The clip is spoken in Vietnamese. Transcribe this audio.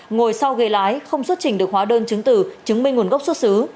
ngồi sau ghế lái không xuất trình được hóa đơn chứng tử chứng minh nguồn gốc xuất xứ